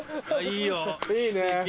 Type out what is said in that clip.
いいね。